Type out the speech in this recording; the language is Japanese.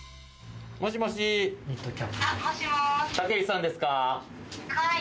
武石さんですか？